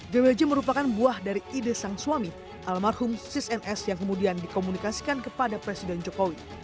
gwj merupakan buah dari ide sang suami almarhum sis ns yang kemudian dikomunikasikan kepada presiden jokowi